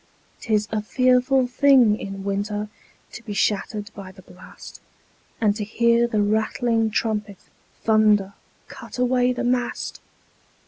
'Tis a fearful thing in winter To be shattered by the blast, And to hear the rattling trumpet Thunder, "Cut away the mast!"